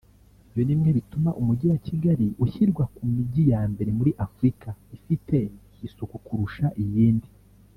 Ibyo ni bimwe bituma Umujyi wa Kigali ushyirwa ku mijyi ya mbere muri Afurika ifite isuku kurusha iyindi